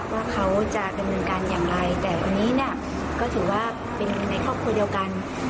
ว่าเขาจะเป็นเหมือนกันอย่างไรแต่วันนี้ก็ถือว่าเป็นในครอบครัวเดียวกัน